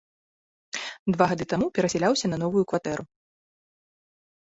Два гады таму перасяляўся на новую кватэру.